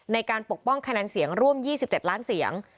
ปกป้องคะแนนเสียงร่วม๒๗ล้านเสียง